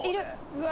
うわ。